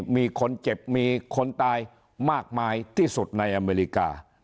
มีคนเจ็บมีคนตายมากมายที่สุดในอเมริกา